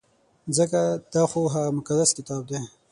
ځکه دا خو هغه مقدس کتاب دی.